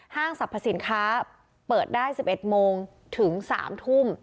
สรรพสินค้าเปิดได้๑๑โมงถึง๓ทุ่ม